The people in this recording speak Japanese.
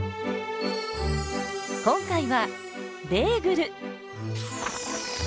今回はベーグル！